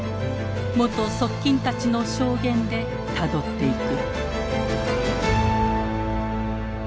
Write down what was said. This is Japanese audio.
元側近たちの証言でたどっていく。